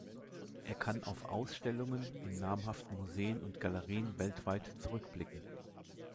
Er kann auf Ausstellungen in namhaften Museen und Galerien weltweit zurückblicken.